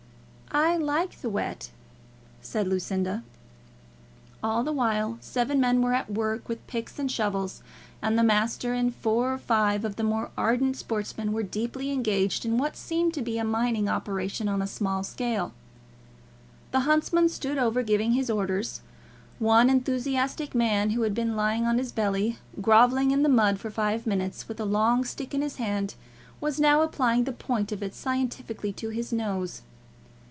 "I like the wet," said Lucinda. All the while seven men were at work with picks and shovels, and the master and four or five of the more ardent sportsmen were deeply engaged in what seemed to be a mining operation on a small scale. The huntsman stood over giving his orders. One enthusiastic man, who had been lying on his belly, grovelling in the mud for five minutes, with a long stick in his hand, was now applying the point of it scientifically to his nose.